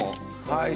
はい。